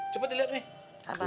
cepet dilihat mi